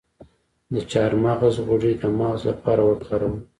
د چارمغز غوړي د مغز لپاره وکاروئ